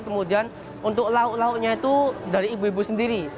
kemudian untuk lauk lauknya itu dari ibu ibu sendiri